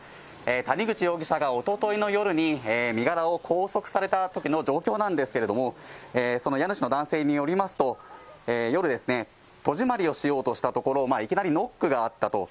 谷口容疑者がおとといの夜に身柄を拘束されたときの状況なんですけれども、その家主の男性によりますと、夜、戸締りをしようとしたところ、いきなりノックがあったと。